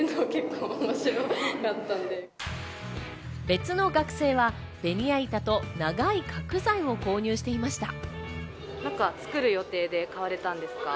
別の学生はベニヤ板と長い角材を購入していました。